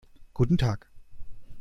Guten Tag.